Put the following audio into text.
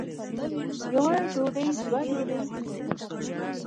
یوه ډوډۍ دوه ډوډۍ کړو.